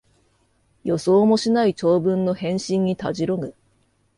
予想もしない長文の返信にたじろぐ